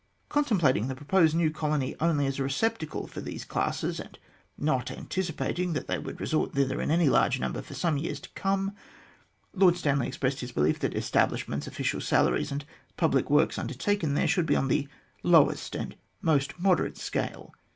Contemplating the proposed new colony only as a receptacle for these classes, and not anticipating that they would resort thither in any large numbers for some years to come, Lord Stanley expressed his belief that the establish ments, official salaries, and public works undertaken there should be on the lowest and most moderate scale.